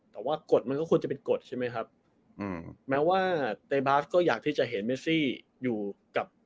แต่ว่ากฎมันก็ควรจะเป็นกฎใช่ไหมครับอืมแม้ว่าเตบาสก็อยากที่จะเห็นเมซี่อยู่กับ